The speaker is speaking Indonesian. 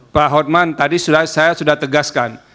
pak hotman tadi saya sudah tegaskan